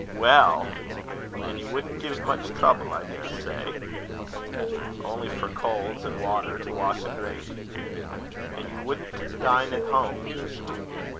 "Well! and you wouldn't give much trouble, I daresay." "Only for coals and water to wash and drink." "And you wouldn't dine at home?"